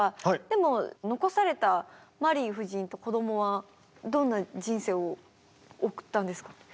でも残されたマリー夫人とこどもはどんな人生を送ったんですか？